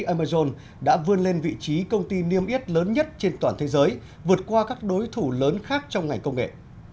amazon đã vươn lên vị trí công ty niêm yết lớn nhất trên toàn thế giới vượt qua các đối thủ lớn khác trong ngành công nghệ